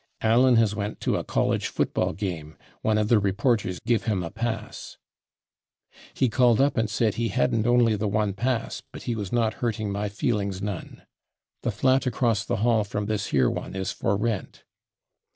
Allen has /went/ to a college football game. One of the reporters /give/ him a pass.... He called up and said he /hadn't/ only the one pass, but he was not hurting my feelings /none/.... The flat across the hall from this /here/ one is for rent....